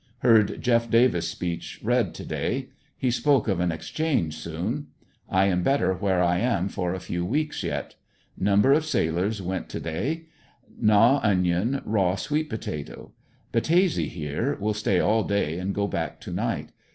Heard Jeff. Davis' speech read to day. He spoke of an exchange soon. I am better where I am for a few weeks yet. Number of sailors went to day, Knaw onion, raw sweet potato. Battese here, will stay all day and go back to night.